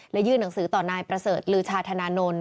และยื่นหนังสือต่อนายประเสริฐลือชาธนานนท์